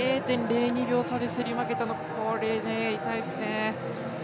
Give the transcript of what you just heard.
０．０２秒差で競り負けたのが痛いですね。